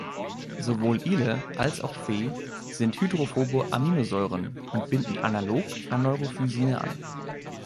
Sowohl Ile, als auch Phe sind hydrophobe Aminosäuren und binden analog an Neurophysine.